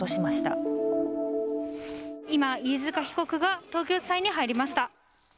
今、飯塚被告が東京地裁に入りました。